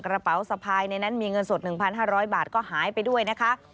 กระเป๋าสะพายในนั้นมีเงินสด๑๕๐๐บาทก็หายไปด้วยนะคะ